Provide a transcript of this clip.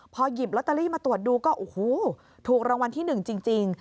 พอหยิบลอตเตอรี่มาตรวจดูก็โอ้โหถูกรางวัลที่๑จริง